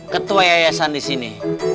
ketua yayasan di sini